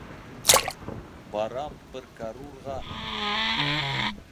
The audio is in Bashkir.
Барам пыркарурға!